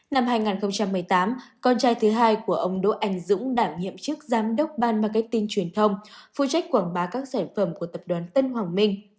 năm hai nghìn một mươi tám con trai thứ hai của ông đỗ anh dũng đảm nhiệm chức giám đốc ban marketing truyền thông phụ trách quảng bá các sản phẩm của tập đoàn tân hoàng minh